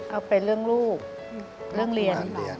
เอาไปเรื่องลูกเรื่องเรียน